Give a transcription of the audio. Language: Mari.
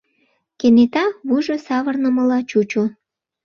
Кенета вуйжо савырнымыла чучо...